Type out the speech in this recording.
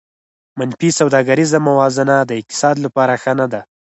منفي سوداګریزه موازنه د اقتصاد لپاره ښه نه ده